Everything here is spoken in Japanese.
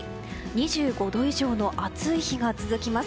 ２５度以上の暑い日が続きます。